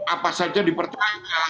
apa saja dipercaya